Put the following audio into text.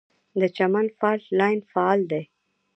د چمن فالټ لاین فعال دی